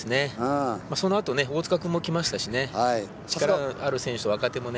そのあと大塚君も来ましたし力のある若手がね。